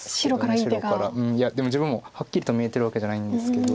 いやでも自分もはっきりと見えてるわけじゃないんですけど。